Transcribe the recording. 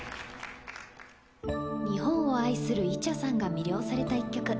日本を愛するイチャさんが魅了された一曲。